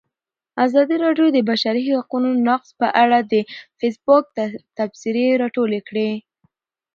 ازادي راډیو د د بشري حقونو نقض په اړه د فیسبوک تبصرې راټولې کړي.